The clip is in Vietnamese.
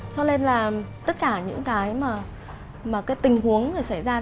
cho nên tất cả những tình huống xảy ra